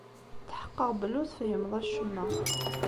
Ttḥeqqeɣ belli ur tefhimeḍ acemma.